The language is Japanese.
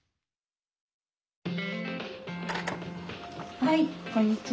はいこんにちは。